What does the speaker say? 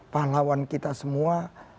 pahlawan kita semua